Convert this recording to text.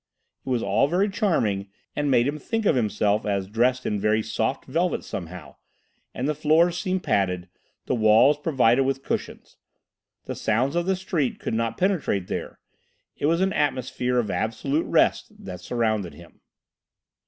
It was all very charming, and made him think of himself as dressed in very soft velvet somehow, and the floors seemed padded, the walls provided with cushions. The sounds of the streets could not penetrate there. It was an atmosphere of absolute rest that surrounded him.